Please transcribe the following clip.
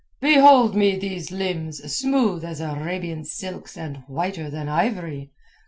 "Behold me these limbs, smooth as Arabian silks and whiter than ivory.